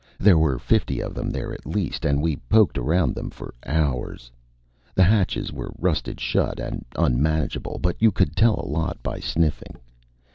There were fifty of them there at least, and we poked around them for hours. The hatches were rusted shut and unmanageable, but you could tell a lot by sniffing.